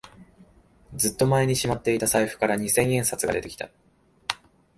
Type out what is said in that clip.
ずっと前にしまっていた財布から二千円札が出てきた